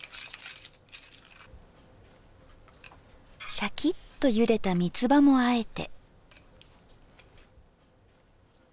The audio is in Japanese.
しゃきっとゆでた三つ葉もあえて。